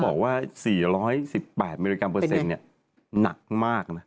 บอกว่า๔๑๘มิลลิกรัมเปอร์เซ็นต์หนักมากนะ